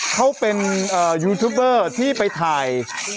เขาเป็นยูทูบเบอร์ที่ไปถ่าย